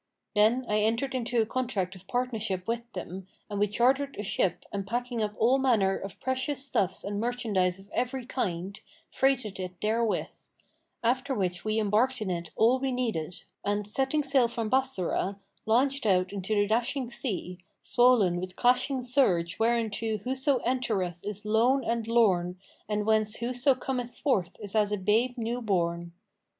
Then I entered into a contract of partnership with them and we chartered a ship and packing up all manner of precious stuffs and merchandise of every kind, freighted it therewith; after which we embarked in it all we needed and, setting sail from Bassorah, launched out into the dashing sea, swollen with clashing surge whereinto whoso entereth is lone and lorn and whence whoso cometh forth is as a babe new born.